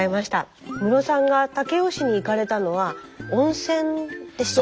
ムロさんが武雄市に行かれたのは温泉でした。